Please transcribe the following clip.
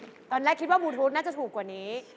ตอนแรกคิดว่าบลูทูธน่าจะถูกกว่านี้